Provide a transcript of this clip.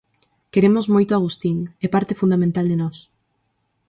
Queremos moito a Agustín, é parte fundamental de nós.